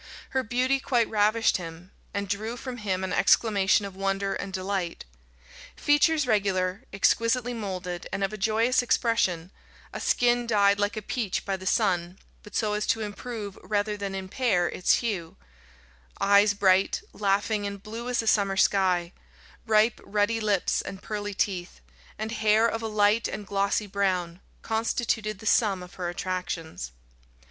Her beauty quite ravished him, and drew from him an exclamation of wonder and delight. Features regular, exquisitely moulded, and of a joyous expression, a skin dyed like a peach by the sun, but so as to improve rather than impair its hue; eyes bright, laughing, and blue as a summer sky; ripe, ruddy lips, and pearly teeth; and hair of a light and glossy brown, constituted the sum of her attractions.